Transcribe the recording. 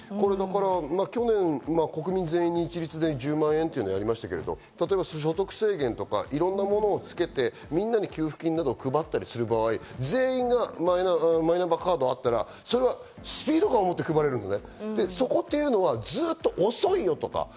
去年、国民全員に一律で１０万円っていうのをやりましたけど所得制限とかいろんなものをつけて、みんなに給付金などを配ったりする場合、全員がマイナンバーカードがあったら、スピード感を持って配れるのね。